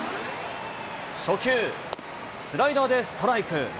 初球、スライダーでストライク。